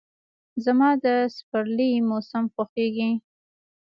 زما د سپرلي موسم خوښ دی.